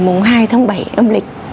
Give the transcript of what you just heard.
mùng hai tháng bảy âm lịch